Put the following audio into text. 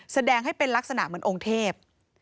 แสดงให้เป็นลักษณะเหมือนองค์เทพ